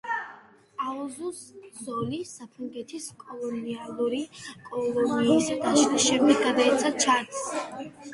აუზუს ზოლი საფრანგეთის კოლონიალური კოლონიის დაშლის შემდეგ გადაეცა ჩადს.